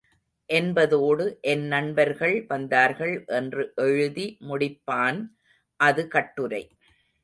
என்பதோடு என் நண்பர்கள் வந்தார்கள் என்று எழுதி முடிப்பான் அது கட்டுரை.